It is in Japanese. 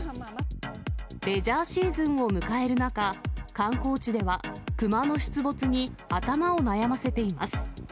レジャーシーズンを迎える中、観光地では、クマの出没に頭を悩ませています。